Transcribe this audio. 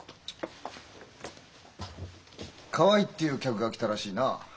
河合っていう客が来たらしいな？